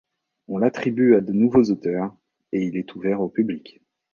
On l'attribue à de nouveaux auteurs et il est ouvert au public.